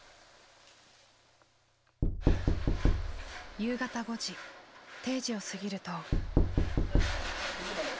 夕方５時定時を過ぎると。